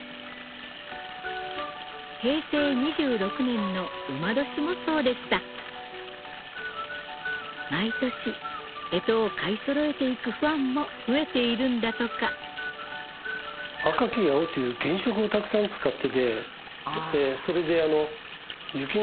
平成２６年の午年もそうでした毎年干支を買いそろえていくファンも増えているんだとか赤・黄・青っていう原色をたくさん使っててそれで。